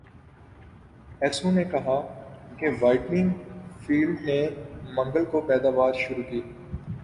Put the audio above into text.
ایسو نے کہا کہ وائٹنگ فیلڈ نے منگل کو پیداوار شروع کی